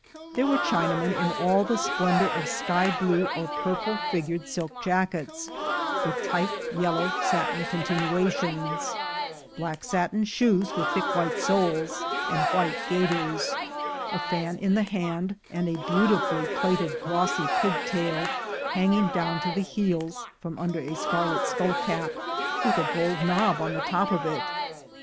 There were Chinamen in all the splendor of sky blue or purple figured silk jackets, and tight yellow satin continuations, black satin shoes with thick white soles, and white gaiters; a fan in the hand, and a beautifully plaited glossy pigtail hanging down to the heels from under a scarlet skull cap, with a gold knob on the top of it.